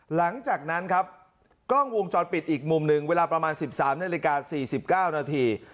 หลังจากนั้นครับกล้องวงจรปิดอีกมุมหนึ่งเวลาประมาณ๑๓นาฬิกา๔๙นาที